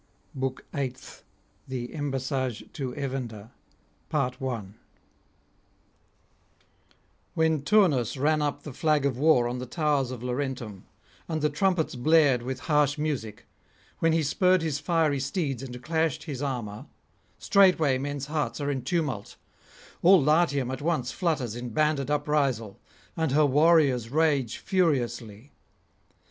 BOOK EIGHTH THE EMBASSAGE TO EVANDER When Turnus ran up the flag of war on the towers of Laurentum, and the trumpets blared with harsh music, when he spurred his fiery steeds and clashed his armour, straightway men's hearts are in tumult; all Latium at once flutters in banded uprisal, and her warriors rage furiously.